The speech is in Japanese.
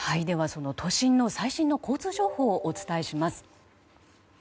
では都心の最新の交通情報をお伝えします。